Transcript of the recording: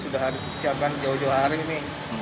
sudah ada siapkan jauh jauh hari ini